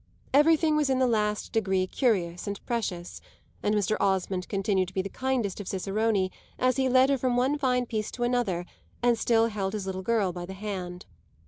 Everything was in the last degree curious and precious, and Mr. Osmond continued to be the kindest of ciceroni as he led her from one fine piece to another and still held his little girl by the hand.